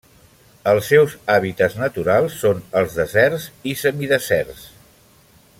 Els seus hàbitats naturals són els deserts i semideserts.